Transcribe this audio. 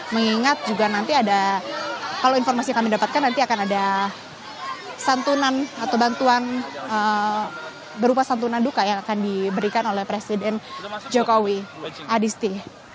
mengingat juga nanti ada kalau informasi yang kami dapatkan nanti akan ada santunan atau bantuan berupa santunan duka yang akan diberikan oleh presiden jokowi adisti